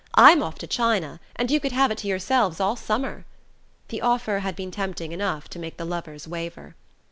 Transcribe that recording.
I'm off to China, and you could have it to yourselves all summer," the offer had been tempting enough to make the lovers waver.